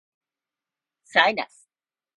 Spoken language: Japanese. サイナス